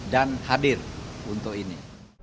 dan hadir untuk ini